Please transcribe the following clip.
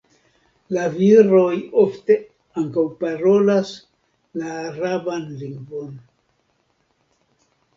La viroj ofte ankaŭ parolas la araban lingvon.